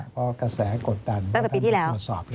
เพราะกระแสกดดันตั้งแต่ปีที่แล้ว